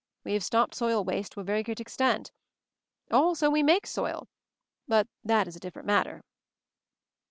We have stopped soil waste to a very great extent. Also we make soil — but that is a different matter."